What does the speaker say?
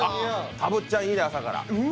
たぶっちゃん、いいね、朝から。